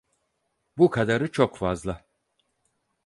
Bu kadarı çok fazla.